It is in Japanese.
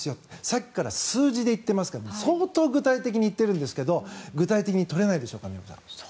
さっきから数字で言っていますが相当、具体的に言ってるんですが具体的に取れないでしょうか皆さん。